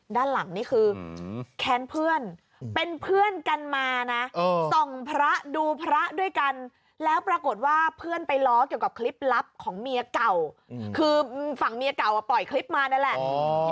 ด้านหลังนี่คือแค้นเพื่อนเป็นเพื่อนกันมานะส่องพระดูพระด้วยกันแล้วปรากฏว่าเพื่อนไปล้อเกี่ยวกับคลิปลับของเมียเก่าคือฝั่งเมียเก่าปล่อยคลิปมานั่นแหละ